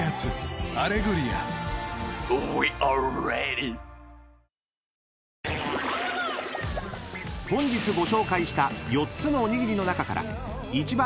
Ｎｏ．１［本日ご紹介した４つのおにぎりの中から一番］